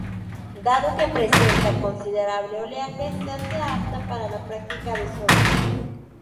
Dado que presenta considerable oleaje se hace apta para la práctica de surf.